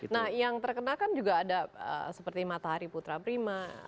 nah yang terkena kan juga ada seperti matahari putra prima